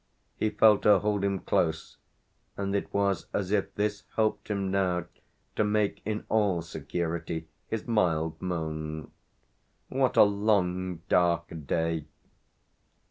He felt her hold him close, and it was as if this helped him now to make in all security his mild moan. "What a long dark day!"